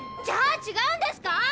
じゃあちがうんですか？